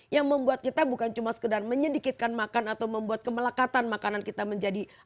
yang membuat kita bukan cuma sekedar menyedikitkan makan atau membuat kemelekatan makanan kita menjadi